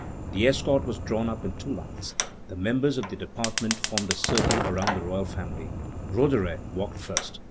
The escort was drawn up in two lines. The members of the department formed a circle around the royal family. Roederer walked first.